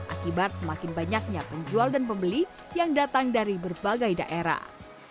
akibat semakin banyaknya penjual dan pembeli yang datang dari berbagai daerah